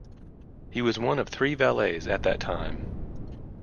He was one of three valets at that time.